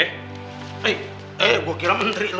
eh eh gua kilang menteri lu